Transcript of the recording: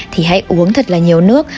thì hãy uống thật là nhiều nước